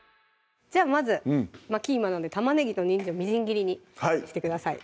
じゃあまずキーマなんで玉ねぎとにんじんをみじん切りにしてください